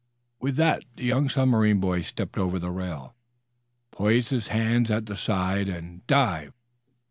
With that the young submarine boy stepped over the rail, poised his hands at the side and dived.